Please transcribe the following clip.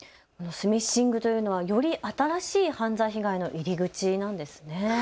スミッシングというのはより新しい犯罪被害の入り口なんですね。